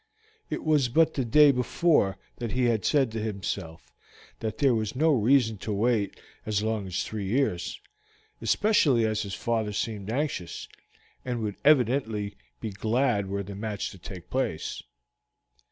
It was but the day before he had said to himself that there was no reason to wait as long as three years, especially as his father seemed anxious, and would evidently be glad were the match to take place.